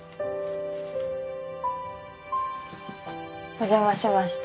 お邪魔しました。